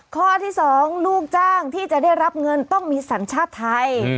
ข้อที่๒ลูกจ้างที่จะได้รับเงินต้องมีสัญชาติไทย